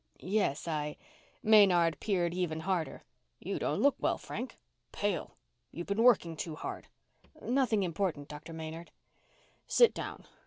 "Yes, I " Maynard peered even harder. "You don't look well, Frank. Pale. You've been working too hard." "Nothing important, Doctor Maynard." "Sit down.